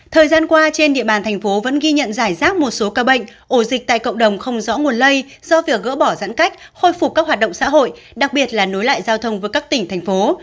thời gian qua trên địa bàn thành phố vẫn ghi nhận giải rác một số ca bệnh ổ dịch tại cộng đồng không rõ nguồn lây do việc gỡ bỏ giãn cách khôi phục các hoạt động xã hội đặc biệt là nối lại giao thông với các tỉnh thành phố